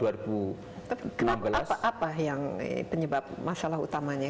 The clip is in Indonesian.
apa yang penyebab masalah utamanya